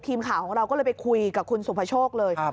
ทีมข่าวของเราก็เลยไปคุยกับคุณสุภโชคเลย